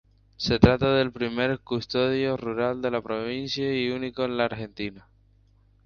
Se trata del primer Custodio Rural de la provincia y único en la Argentina.